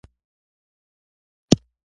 د پښتنو په کلتور کې د سترګو تورول سنت دي.